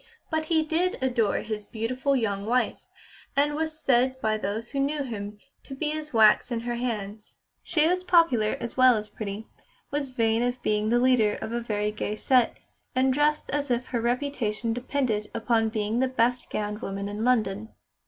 But he did adore his beautiful young wife, and was said by those who knew him to be as wax in her hands. She was popular, as well as pretty; was vain of being the leader of a very gay set, and dressed as if her reputation depended upon being the best gowned woman in London.